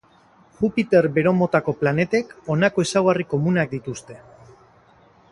Jupiter bero motako planetek honako ezaugarri komunak dituzte.